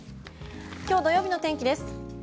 今日土曜日の天気です。